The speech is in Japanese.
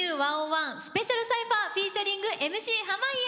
スペシャルサイファーフィーチャリングＭＣ濱家！